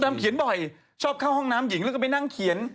เขียนบ่อยชอบเข้าห้องน้ำหญิงแล้วก็ไปนั่งเขียน